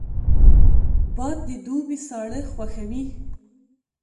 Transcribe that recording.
باد د دوبي ساړه خوښوي